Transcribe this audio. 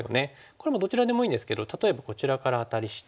これもどちらでもいいんですけど例えばこちらからアタリして。